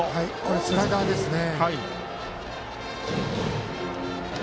スライダーですね。